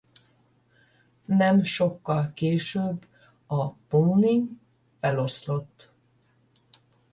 Nem sokkal később a Pony feloszlott.